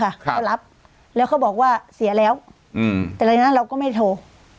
ครับก็รับแล้วเขาบอกว่าเสียแล้วอืมแต่ในนั้นเราก็ไม่โทร